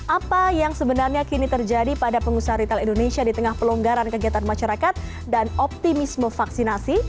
apa yang sebenarnya kini terjadi pada pengusaha retail indonesia di tengah pelonggaran kegiatan masyarakat dan optimisme vaksinasi